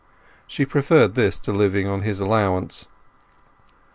She preferred this to living on his allowance.